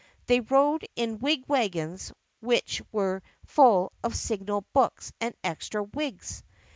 They rode in wigwagons which were full of signal books and extra wigs.